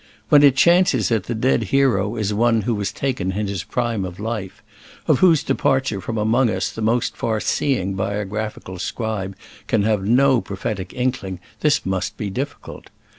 When it chances that the dead hero is one who was taken in his prime of life, of whose departure from among us the most far seeing biographical scribe can have no prophetic inkling, this must be difficult.